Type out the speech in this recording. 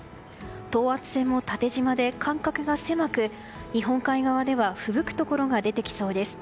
等圧線も縦じまで間隔が狭く日本海側ではふぶくところが出てきそうです。